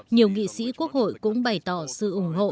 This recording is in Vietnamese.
nhiều nghị sĩ quốc hội cũng bày tỏ sự ủng hộ